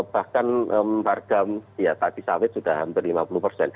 bahkan harga ya tadi sawit sudah hampir lima puluh